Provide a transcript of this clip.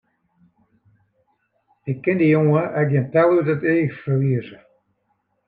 Ik kin dy jonge ek gjin tel út it each ferlieze!